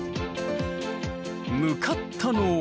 向かったのは。